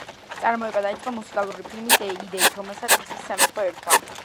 წარმოება დაიწყო მუსიკალური ფილმის იდეით, რომელსაც „მზის სამეფო“ ერქვა.